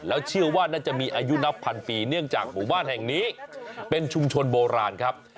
แล้วเชื่อว่าน่าจะมีอายุนับพันปีเนื่องจากหมู่บ้านแห่งนี้เป็นชุมชนโบราณครับ